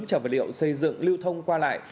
trả vật liệu xây dựng lưu thông qua lại